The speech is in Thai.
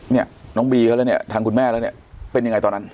เนี่ยน้องบีเขาแล้วเนี่ยทางคุณแม่แล้วเนี่ยเป็นยังไงตอนนั้น